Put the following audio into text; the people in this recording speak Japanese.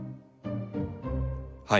はい。